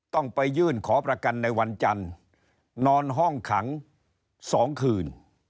ต้องไปยื่นขอประกันในวันจันทร์นอนห้องขัง๒คืน